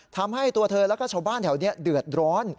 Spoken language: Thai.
ทำให้ตัวเธอแล้วก็ชาวบ้านแถวนี้เดือดร้อน